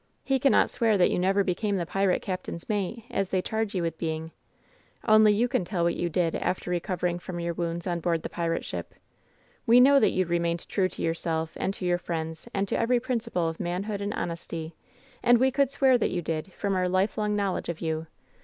He cannot swear that you never became the pirate captain's mate, as they charge \^>" 129 WHEN SHADOWS DIE you with being. Only you can tell what you did after recovering from your wounds on board the pirate ship. We know that you remained true to yourself and to your friends and to every principle of manhood and honesty, and we could swear that you did, from our lifelong knowledge of you!